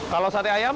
kalau sate ayam